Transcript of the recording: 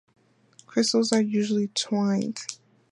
Crystals are usually twinned.